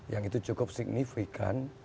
yang itu cukup signifikan